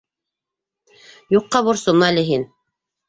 — Юҡҡа борсолма әле һин.